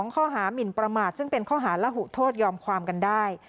ข้อหามินประมาทซึ่งเป็นข้อหาระหุโทษยอมความกันได้